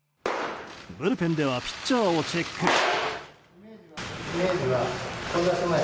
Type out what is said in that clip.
ブルペンではピッチャーをチェック。